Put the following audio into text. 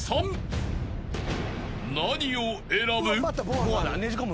［何を選ぶ？］